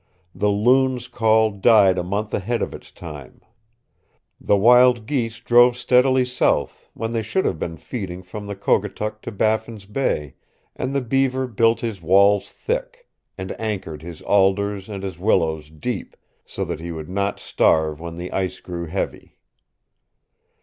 The loon's call died a month ahead of its time. The wild geese drove steadily south when they should have been feeding from the Kogatuk to Baffin's Bay, and the beaver built his walls thick, and anchored his alders and his willows deep so that he would not starve when the ice grew heavy.